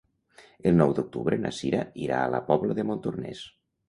El nou d'octubre na Cira irà a la Pobla de Montornès.